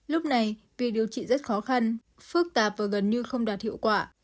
lúc này vì điều trị rất khó khăn phức tạp và gần như không đạt hiệu quả